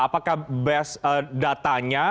apakah best datanya